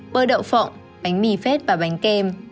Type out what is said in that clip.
bơ đậu phộng bánh mì phết và bánh kem